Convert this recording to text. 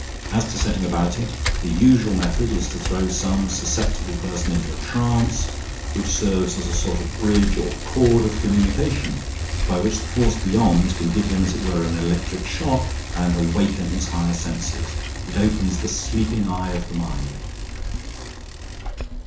As to setting about it, the usual method is to throw some susceptible person into a trance, which serves as a sort of bridge or cord of communication, by which the force beyond can give him, as it were, an electric shock, and awaken his higher senses. It opens the sleeping eye of the mind."